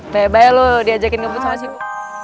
bebel lo diajakin ngebut sama si bu